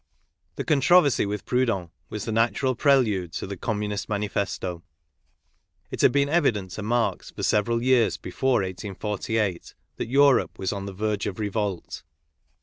The controversy with Proudhon was the natural pre lude to the Communist Manifesto. It had been evident to Marx, for several years before 1848, that Europe was on the verge of revolt.